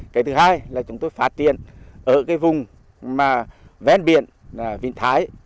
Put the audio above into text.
cái thứ hai là chúng tôi phát triển ở cái vùng mà vén biển là vinh thái